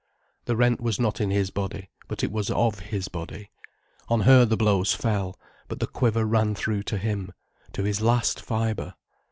The rent was not in his body, but it was of his body. On her the blows fell, but the quiver ran through to him, to his last fibre.